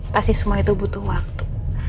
pasti semua itu butuh waktu